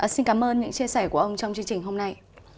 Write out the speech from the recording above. xin cảm ơn những chia sẻ của ông trong chương trình hôm nay